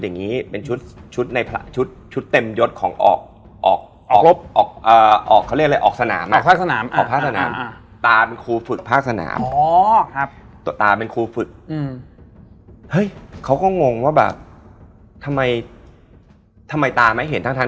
นี่เหตุการณ์แรก